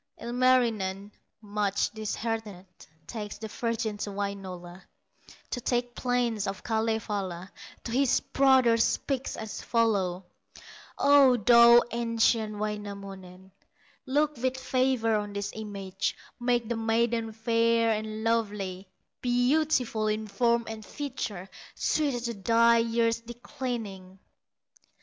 Ilmarinen, much disheartened, Takes the virgin to Wainola, To the plains of Kalevala, To his brother speaks as follows: "O, thou ancient Wainamoinen, Look with favor on this image; Make the maiden fair and lovely, Beautiful in form and feature, Suited to thy years declining!"